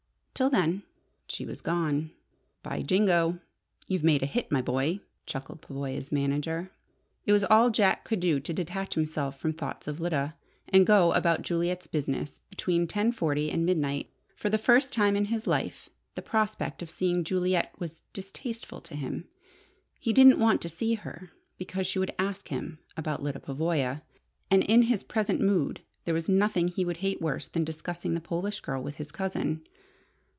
Till then " She was gone. "By Jingo, you've made a hit, my boy!" chuckled Pavoya's manager. It was all Jack could do to detach himself from thoughts of Lyda, and go about Juliet's business between ten forty and midnight. For the first time in his life the prospect of seeing Juliet was distasteful to him. He didn't want to see her, because she would ask him about Lyda Pavoya, and in his present mood there was nothing he would hate worse than discussing the Polish girl with his cousin.